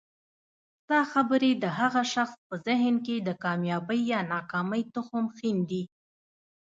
ستا خبري د هغه شخص په ذهن کي د کامیابۍ یا ناکامۍ تخم ښیندي